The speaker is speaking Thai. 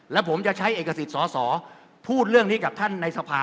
แล้วผมจะใช้เอกสิทธิ์สอสอพูดเรื่องนี้กับท่านในสภา